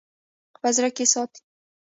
په زړه کښې ساتي--